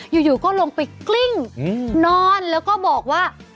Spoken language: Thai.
อยู่ก็ลงไปกลิ้งนอนแล้วก็บอกว่า